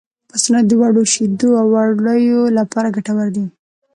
پسونه د وړو شیدو او وړیو لپاره ګټور دي.